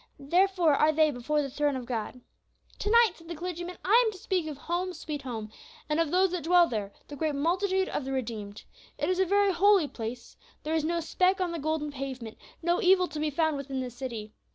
Therefore are they before the throne of God." "To night," said the clergyman, "I am to speak of 'Home, sweet Home,' and of those that dwell there, the great multitude of the redeemed. It is a very holy place, there is no speck on the golden pavement, no evil to be found within the city.